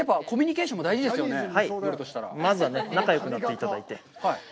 まずは、仲よくなっていただいて。